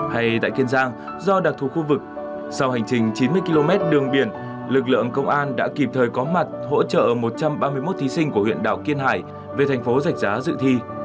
hay tại kiên giang do đặc thù khu vực sau hành trình chín mươi km đường biển lực lượng công an đã kịp thời có mặt hỗ trợ một trăm ba mươi một thí sinh của huyện đảo kiên hải về thành phố rạch giá dự thi